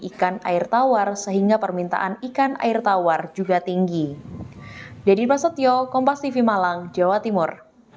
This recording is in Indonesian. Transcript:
ikan air tawar sehingga permintaan ikan air tawar juga tinggi deddy prasetyo kompas tv malang jawa timur